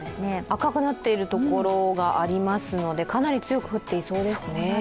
赤くなっている所がありますので、かなり強く降っていそうですね。